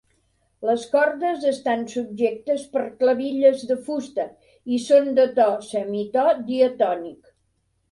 Les cordes estan subjectes per clavilles de fusta i són de to semitò diatònic.